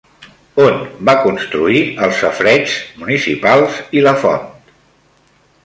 On va construir els safareigs municipals i la font?